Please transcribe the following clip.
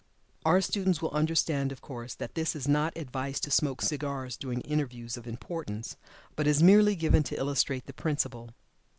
Our students will understand, of course, that this is not advice to smoke cigars during interviews of importance, but is merely given to illustrate the principle.